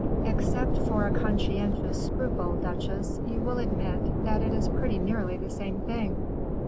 "Except for a conscientious scruple, duchesse, you will admit that it is pretty nearly the same thing."